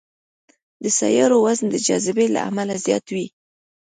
د سیارو وزن د جاذبې له امله زیات وي.